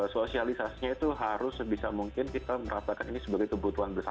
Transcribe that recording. sosialisasinya itu harus sebisa mungkin kita meratakan ini sebagai kebutuhan bersama